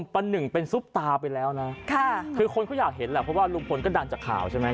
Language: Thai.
ประหนึ่งเป็นซุปตาไปแล้วนะคือคนเขาอยากเห็นแหละเพราะว่าลุงพลก็ดังจากข่าวใช่ไหม